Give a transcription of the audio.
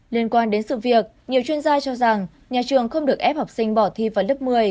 liên quan đến sự việc nhiều chuyên gia cho rằng nhà trường không được ép học sinh bỏ thi vào lớp một mươi